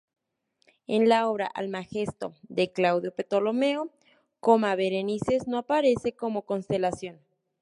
En la obra "Almagesto" de Claudio Ptolomeo, "Coma Berenices" no aparece como constelación.